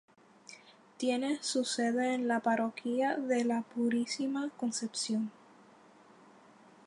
Tiene su sede en la Parroquia de la Purísima Concepción.